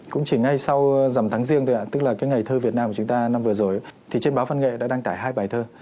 cũng chỉ ngay sau dằm tháng riêng thôi ạ tức là cái ngày thơ việt nam của chúng ta năm vừa rồi thì trên báo văn nghệ đã đăng tải hai bài thơ